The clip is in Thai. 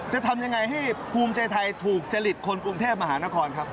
จะทำยังไงให้ภูมิใจไทยถูกจริตคนกรุงเทพมหานครครับ